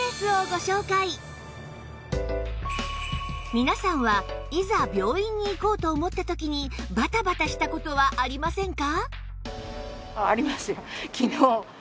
皆さんはいざ病院に行こうと思った時にバタバタした事はありませんか？